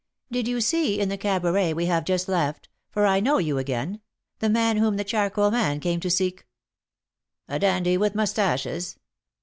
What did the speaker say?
"Did you see, in the cabaret we have just left for I know you again the man whom the charcoal man came to seek?" "A dandy with moustaches?